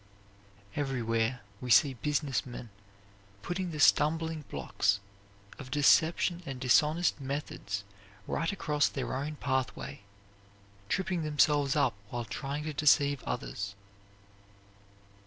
Everywhere we see business men putting the stumbling blocks of deception and dishonest methods right across their own pathway, tripping themselves up while trying to deceive others.